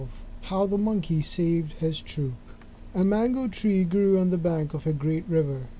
XII HOW THE MONKEY SAVED HIS TROOP A mango tree grew on the bank of a great river.